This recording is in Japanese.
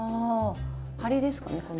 ハリですかねこの。